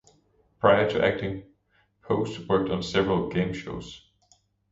Prior to acting, Post worked on several game shows.